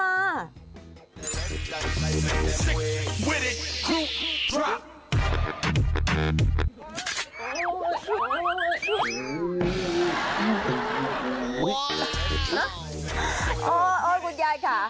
นะโอ๊เอ่อคุณยายค่ะ